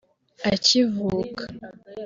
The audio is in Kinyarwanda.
akivuka